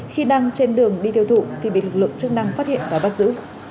khi đang trên đường đi tiêu thụ thì bị lực lượng chức năng phát hiện và bắt giữ